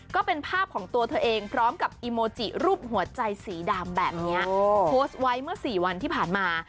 ก็เป็นภาพของตัวเธอเองพร้อมกับอีโมจิรูปหัวใจสีดำแบบนี้โพสต์ไว้เมื่อสี่วันที่ผ่านมา